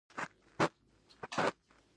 ځمکه د افغان کلتور په داستانونو کې راځي.